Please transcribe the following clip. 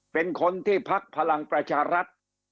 เป็นคนที่พักพลังประชารัฐ